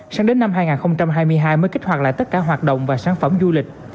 sáng đến năm hai nghìn hai mươi hai mới kích hoạt lại tất cả hoạt động và sản phẩm du lịch